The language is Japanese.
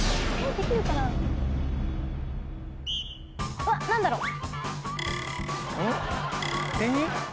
うわっ何だろう？